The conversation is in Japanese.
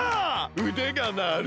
うでがなる！